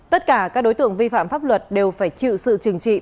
tất cả các đối tượng vi phạm pháp luật đều phải chịu sự trừng trị